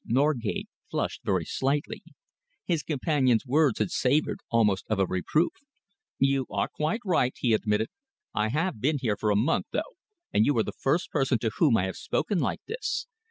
Norgate flushed very slightly. His companion's words had savoured almost of a reproof. "You are quite right," he admitted. "I have been here for a month, though, and you are the first person to whom I have spoken like this.